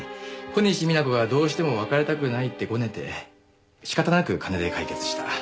小西皆子がどうしても別れたくないってゴネて仕方なく金で解決した。